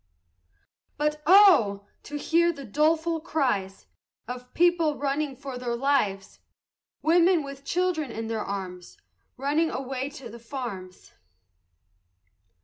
But oh! to hear the doleful cries Of people running for their lives! Women, with children in their arms, Running away to the farms!